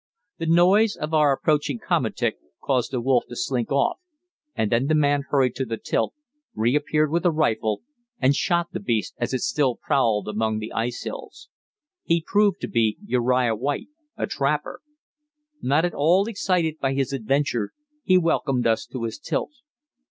The noise of our approaching komatik caused the wolf to slink off, and then the man hurried to the tilt, reappeared with a rifle and shot the beast as it still prowled among the ice hills. He proved to be Uriah White, a trapper. Not at all excited by his adventure, he welcomed us to his tilt.